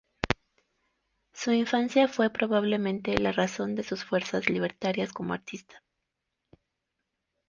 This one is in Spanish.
Su infancia fue probablemente la razón de sus fuerzas libertarias como artista.